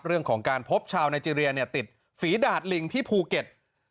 เรื่องของการพบชาวไนเจรียติดฝีดาดลิงที่ภูเก็ต